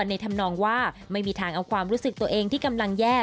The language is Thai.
ทำนองว่าไม่มีทางเอาความรู้สึกตัวเองที่กำลังแย่